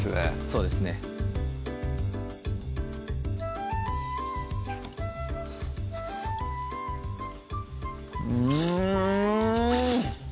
そうですねうん！